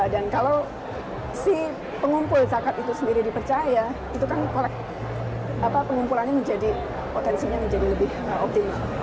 dan kalau si pengumpul zakat itu sendiri dipercaya itu kan pengumpulannya menjadi potensinya menjadi lebih optimal